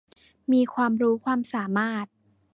มีความรู้ความสามารถ